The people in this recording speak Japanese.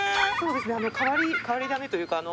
変わり種というかあの。